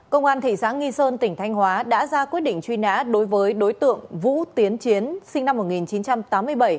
công an thị xã nghi sơn tỉnh thanh hóa đã ra quyết định truy nã đối với đối tượng vũ tiến chiến sinh năm một nghìn chín trăm tám mươi bảy